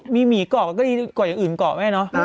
มีหมีเกาะก็ดีกว่าอย่างอื่นเกาะแม่เนอะ